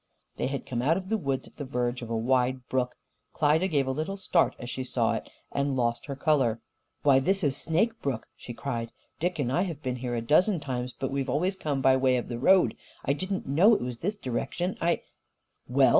They had come out of the woods at the verge of a wide brook. Klyda gave a little start as she saw it, and lost her colour. "Why, this is Snake Brook!" she cried. "Dick and I have been here a dozen times. But we've always come by way of the road. I didn't know it was in this direction. I " "Well?"